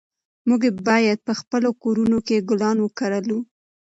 موږ باید په خپلو کورونو کې ګلان وکرلو.